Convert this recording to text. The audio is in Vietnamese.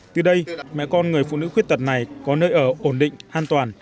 từ đây mẹ con người phụ nữ khuyết tật này có nơi ở ổn định an toàn